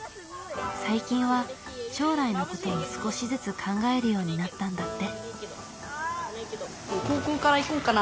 最近は将来のことを少しずつ考えるようになったんだって。